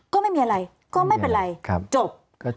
ก็ไม่มีอะไรก็ไม่เป็นไรจบ